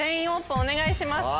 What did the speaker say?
お願いします。